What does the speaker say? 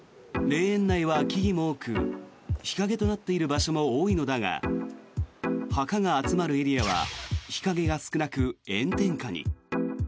霊園内は木々も多く日陰となっている場所も多いのだが墓が集まるエリアは日影が少なく炎天下に。